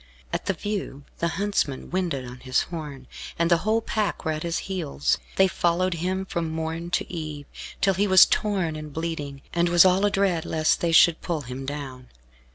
At the view the huntsman winded on his horn, and the whole pack were at his heels. They followed him from morn to eve, till he was torn and bleeding, and was all adread lest they should pull him down.